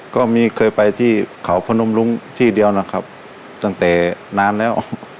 ก็มีเคยไปที่เขาพนมรุ้งที่เดียวนะครับตั้งแต่นานแล้ว